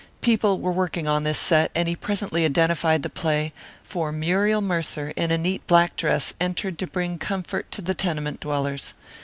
People were working on this set, and he presently identified the play, for Muriel Mercer in a neat black dress entered to bring comfort to the tenement dwellers.